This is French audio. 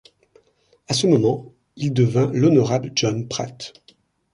À ce moment, il devint l'honorable John Pratt.